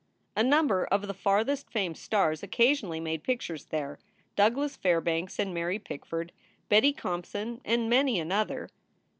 A number of the farthest famed stars occasionally made pictures there Douglas Fairbanks and Mary Pickf ord, Betty Compson, and many another.